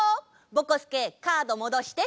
ぼこすけカードもどして。